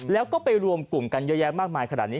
แล้วก็ไปรวมกลุ่มกันเยอะแยะมากมายขนาดนี้